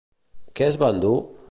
Què es va endur?